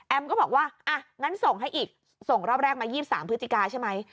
ก็บอกว่าอ่ะงั้นส่งให้อีกส่งรอบแรกมา๒๓พฤศจิกาใช่ไหม